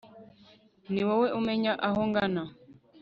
ni wowe umenya aho ngana